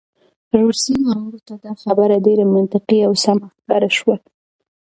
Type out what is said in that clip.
روسي مامور ته دا خبره ډېره منطقي او سمه ښکاره شوه.